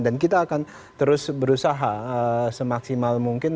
dan kita akan terus berusaha semaksimal mungkin